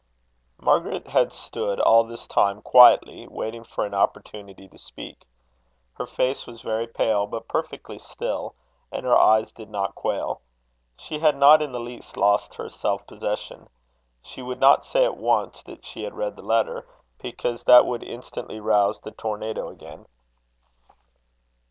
Margaret had stood all this time quietly, waiting for an opportunity to speak. Her face was very pale, but perfectly still, and her eyes did not quail. She had not in the least lost her self possession. She would not say at once that she had read the letter, because that would instantly rouse the tornado again.